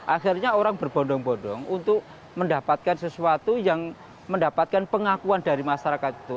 akhirnya orang berbondong bondong untuk mendapatkan sesuatu yang mendapatkan pengakuan dari masyarakat itu